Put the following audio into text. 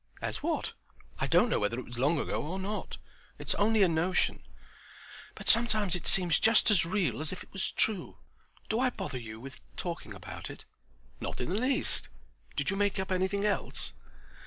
"As what? I don't know whether it was long ago or not. It's only a notion, but sometimes it seems just as real as if it was true. Do I bother you with talking about it?" "Not in the least. Did you make up anything else?"